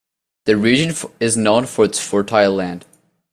The region is known for its fertile land.